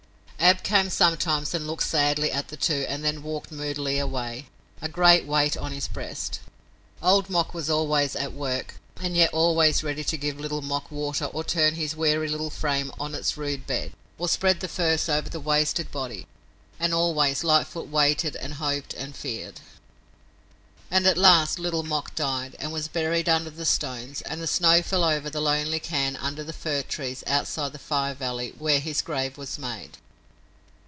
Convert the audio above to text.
Ab came sometimes and looked sadly at the two and then walked moodily away, a great weight on his breast. Old Mok was always at work, and yet always ready to give Little Mok water or turn his weary little frame on its rude bed, or spread the furs over the wasted body, and always Lightfoot waited and hoped and feared. And at last Little Mok died, and was buried under the stones, and the snow fell over the lonely cairn under the fir trees outside the Fire Valley where his grave was made.